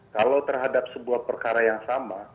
kalau terhadap sebuah perkara yang sama